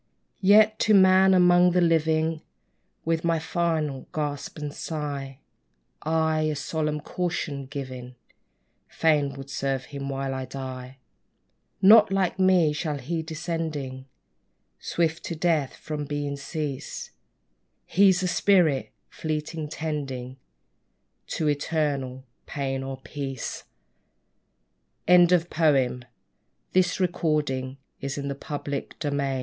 Yet, to man among the living, With my final gasp and sigh, I, a solemn caution giving, Fain would serve him while I die. Not like me, shall he, descending Swift to death, from being cease. He's a spirit! fleetly tending To eternal pain or peace! =The Little Traveller=. I am the tiniest child of earth!